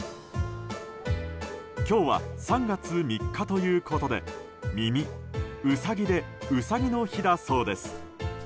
今日は３月３日ということで耳、ウサギでうさぎの日だそうです。